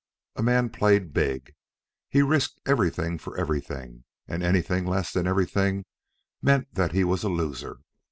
A man played big. He risked everything for everything, and anything less than everything meant that he was a loser.